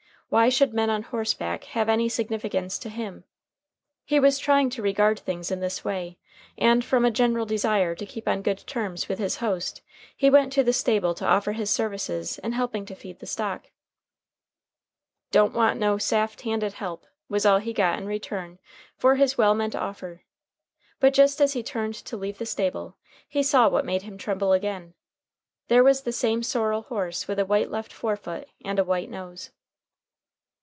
Why should men on horseback have any significance to him? He was trying to regard things in this way, and from a general desire to keep on good terms with his host he went to the stable to offer his services in helping to feed the stock. "Don't want no saft handed help!" was all he got in return for his well meant offer. But just as he turned to leave the stable he saw what made him tremble again. There was the same sorrel horse with a white left forefoot and a white nose.